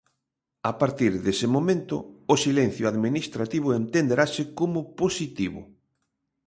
A partir dese momento, o silencio administrativo entenderase como positivo.